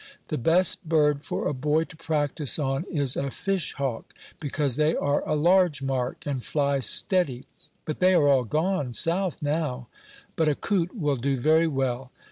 The best bird for a boy to practise on is a fish hawk, because they are a large mark, and fly steady, but they are all gone south now; but a coot will do very well.